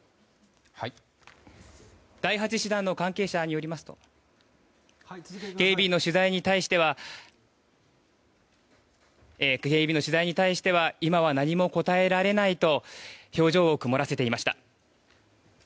第８師団の関係者らによりますとＫＡＢの取材に対しては今は何も答えられないと表情を曇らせていました。